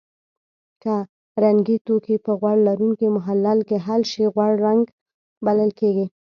که رنګي توکي په غوړ لرونکي محلل کې حل شي غوړ رنګ بلل کیږي.